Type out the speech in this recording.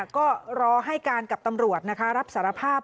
ก็รอให้การกับตำรวจนะคะรับสารภาพ